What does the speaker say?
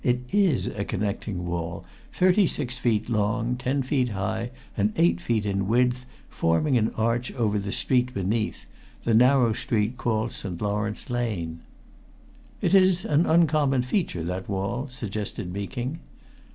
"It is a connecting wall, thirty six feet long, ten feet high, and eight feet in width, forming an arch over the street beneath the narrow street called St. Lawrence Lane." "It is an uncommon feature, that wall?" suggested Meeking.